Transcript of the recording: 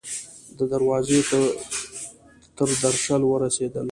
د دروازې تر درشل ورسیدل